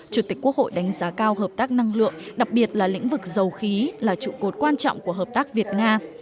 chủ tịch quốc hội đánh giá cao hợp tác năng lượng đặc biệt là lĩnh vực dầu khí là trụ cột quan trọng của hợp tác việt nga